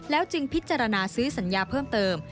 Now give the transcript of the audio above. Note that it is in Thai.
จึงพิจารณาซื้อสัญญาเพิ่มเติม